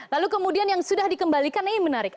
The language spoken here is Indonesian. lalu kemudian yang sudah dikembalikan ini menarik